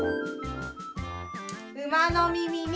うまのみみに。